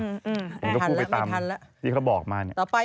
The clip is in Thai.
เดี๋ยวก็พูดไปตามที่เค้าบอกมาเนี้ย